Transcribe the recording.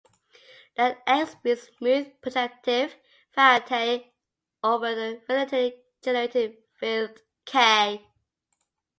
Let "X" be a smooth projective variety over a finitely generated field "k".